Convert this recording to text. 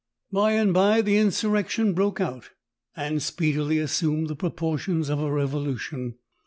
By and by the insurrection broke out, and speedily assumed the proportions of a revolution.